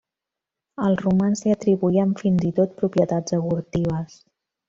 Els romans li atribuïen fins i tot propietats abortives.